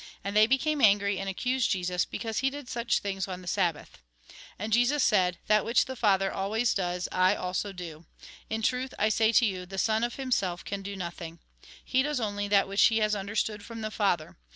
And they became angry, and accused Jesus, because he did such things on the Sabbath. And Jesus said :" That which the Father always does, I also do. In truth, I say to you, the Son of himself can do nothing. He does only that which he has understood from the Father.